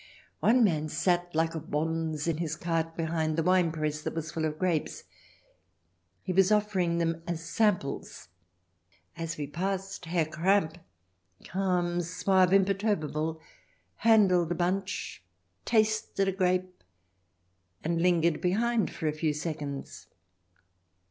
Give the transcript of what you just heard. One man sat like a bonze in his cart, behind his winepress that was full of grapes. He was offering them as samples. As we passed, Herr Kramp, calm, suave, imperturbable, handled a bunch, tasted a grape, and lingered behind for a few seconds.